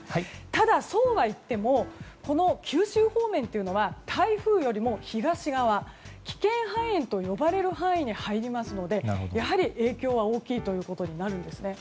ただ、そうはいってもこの九州方面というのは台風よりも東側危険範囲と呼ばれる範囲に入りますので影響は大きいということになるんですね。